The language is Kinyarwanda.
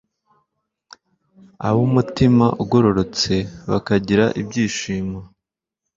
ab’umutima ugororotse bakagira ibyishimo